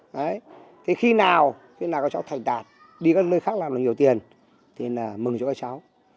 đấy thì khi nào khi nào các cháu thành đạt đi các nơi khác làm nhiều tiền thì là mừng cho các cháu